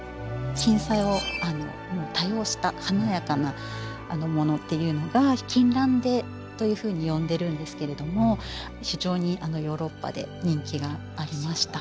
金彩を多用した華やかなものっていうのが金襴手というふうに呼んでるんですけれども非常にヨーロッパで人気がありました。